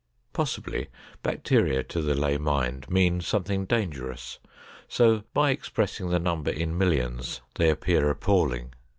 Possibly bacteria to the lay mind mean something dangerous, so by expressing the numbers in millions they appear appalling.